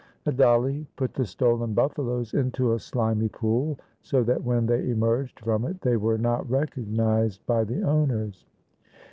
Adali put the stolen buffaloes into a slimy pool so that when they emerged from it they were not recognized by the owners.